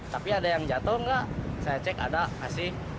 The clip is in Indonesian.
tapi ada yang jatuh enggak saya cek ada masih